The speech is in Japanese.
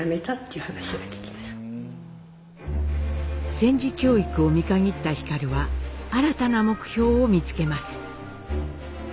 戦時教育を見限った皓は新たな目標を見つけます。